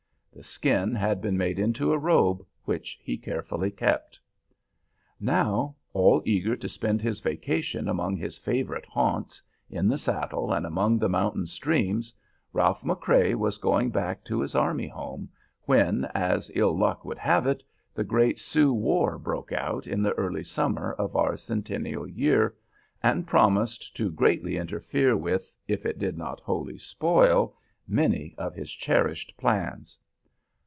The skin had been made into a robe, which he carefully kept. Now, all eager to spend his vacation among his favorite haunts, in the saddle and among the mountain streams, Ralph McCrea was going back to his army home, when, as ill luck would have it, the great Sioux war broke out in the early summer of our Centennial Year, and promised to greatly interfere with, if it did not wholly spoil, many of his cherished plans.